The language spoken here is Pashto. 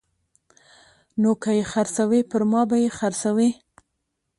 نو که یې خرڅوي پرما به یې خرڅوي